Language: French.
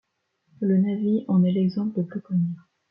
Le na’vi en est l'exemple le plus connu.